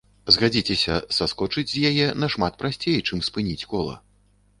Згадзіцеся, саскочыць з яе нашмат прасцей, чым спыніць кола.